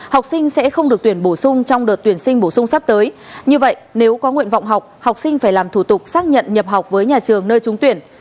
học sinh sẽ không được tuyển bổ sung trong đợt tuyển sinh bổ sung sắp tới như vậy nếu có nguyện vọng học học sinh phải làm thủ tục xác nhận nhập học với nhà trường nơi trúng tuyển